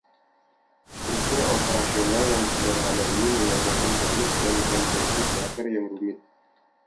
Struktur operasional yang sederhana ini mengajarkan teknik dan konvensi teater yang rumit.